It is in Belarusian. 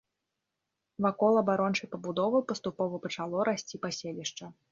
Вакол абарончай пабудовы паступова пачало расці паселішча.